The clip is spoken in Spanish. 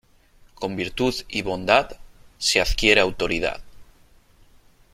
Con virtud y bondad se adquiere autoridad.